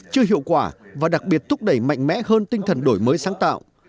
chưa hiệu quả và đặc biệt thúc đẩy mạnh mẽ hơn tinh thần đổi mới sáng tạo